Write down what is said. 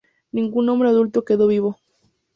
Ningún hombre adulto quedó vivo.